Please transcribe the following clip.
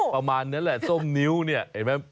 ประมาณนั้นแหละส้มนิ้วเนี่ยเห็นไหม